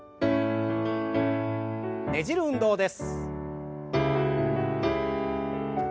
ねじる運動です。